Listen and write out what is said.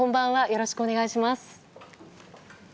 よろしくお願いします。